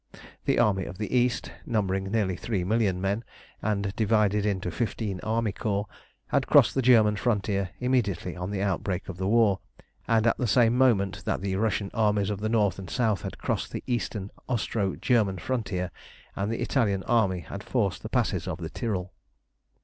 The Army of the East, numbering nearly three million men, and divided into fifteen army corps, had crossed the German frontier immediately on the outbreak of the war, and at the same moment that the Russian Armies of the North and South had crossed the eastern Austro German frontier, and the Italian army had forced the passes of the Tyrol.